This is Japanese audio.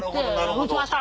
打ちました！